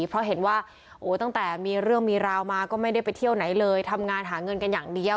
เพราะเห็นว่าโอ้ตั้งแต่มีเรื่องมีราวมาก็ไม่ได้ไปเที่ยวไหนเลยทำงานหาเงินกันอย่างเดียว